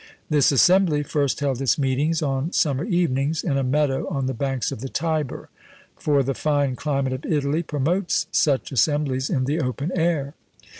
This assembly first held its meetings, on summer evenings, in a meadow on the banks of the Tiber; for the fine climate of Italy promotes such assemblies in the open air.